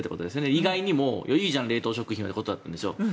意外にも、いいじゃん冷凍食品ということなんですよね。